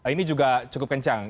ini juga cukup kencang